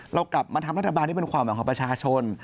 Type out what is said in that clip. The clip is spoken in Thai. เรากลับมาทำรัฐบาลที่เป็นความหวังของประชาชน